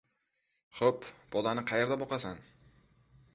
— Xo‘p, podani qayerda boqasan?